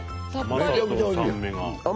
めちゃくちゃおいしい。